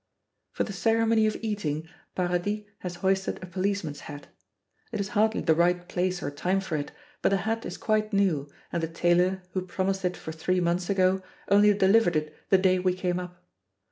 For the ceremony of eating, Paradis has hoisted a policeman's hat. It is hardly the right place or time for it, but the hat is quite new, and the tailor, who promised it for three months ago, only delivered it the day we came up.